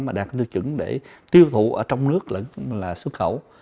mà đạt cái thư chứng để tiêu thụ ở trong nước là xuất khẩu